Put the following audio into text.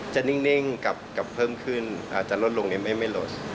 นิ่งกลับเพิ่มขึ้นอาจจะลดลงนี้ไม่ลด